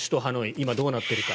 今どうなっているか。